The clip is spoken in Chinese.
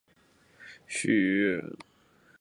它的许多特征影响了以后命令行界面的发展。